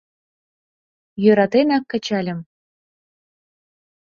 Йӧратенак кычальым: